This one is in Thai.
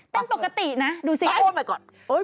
แต้นปกตินะดูสิค่ะโอ้โฮมายก็อด